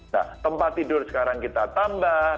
nah tempat tidur sekarang kita tambah